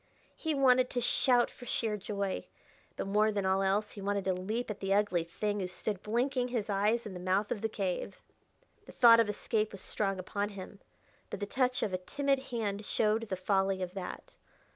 He wanted to shout for sheer joy; but more than all else he wanted to leap at the ugly thing who stood blinking his eyes in the mouth of the cave. The thought of escape was strong upon him, but the touch of a timid hand showed the folly of that.